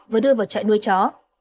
và đưa vào trại nuôi chó